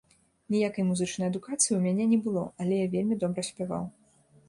Ніякай музычнай адукацыі ў мяне не было, але я вельмі добра спяваў.